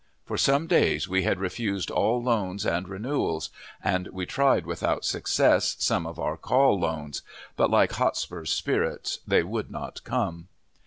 For some days we had refused all loans and renewals, and we tried, without, success, some of our call loans; but, like Hotspur's spirits, they would not come.